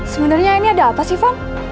sebenarnya ini ada apa sih van